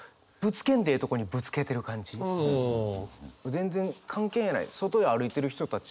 全然関係ない外で歩いてる人たち。